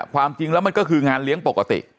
ความจริงแล้วมันก็คืองานเลี้ยงปกติ